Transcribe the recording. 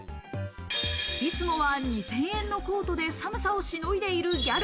いつもは２０００円のコートで寒さをしのいでいるギャル。